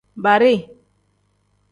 Baari.